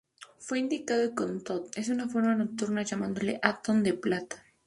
Fue identificado con Tot, en su forma nocturna, llamándole "Atón de Plata".